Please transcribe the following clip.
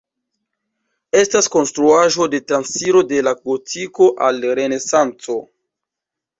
Estas konstruaĵo de transiro de la Gotiko al Renesanco.